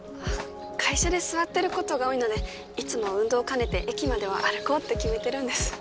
会社で座ってることが多いのでいつも運動を兼ねて駅までは歩こうって決めてるんです。